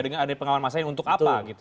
dengan ada pengawalan masa yang untuk apa gitu